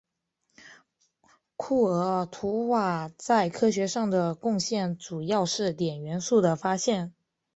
库尔图瓦在科学上的贡献主要是碘元素的发现。